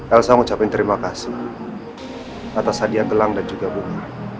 elsa mengucapkan terima kasih atas hadiah gelang dan juga bunga